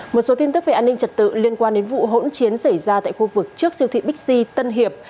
một số tin tức về an ninh trật tự liên quan đến vụ hỗn chiến xảy ra tại khu vực trước siêu thị bixi tân hiệp